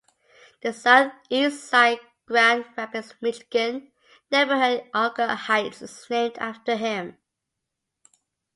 The Southeast side Grand Rapids, Michigan neighborhood Alger Heights is named after him.